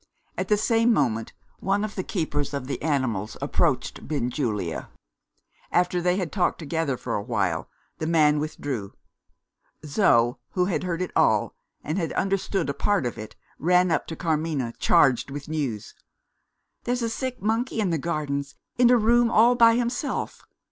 At the same moment, one of the keepers of the animals approached Benjulia. After they had talked together for a while, the man withdrew. Zo (who had heard it all, and had understood a part of it) ran up to Carmina, charged with news. "There's a sick monkey in the gardens, in a room all by himself!"